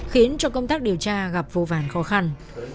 khiến cho công tác điều tra gặp vô vàn khó khăn